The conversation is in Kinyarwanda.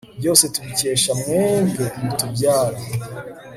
byose tubikesha mwebwe mutubyara